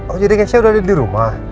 oh jadi kesya udah ada di rumah